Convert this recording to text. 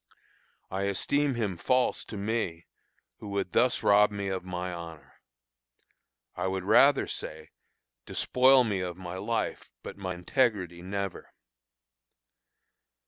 I esteem him false to me who would thus rob me of my honor. I would rather say, "despoil me of my life, but my integrity never."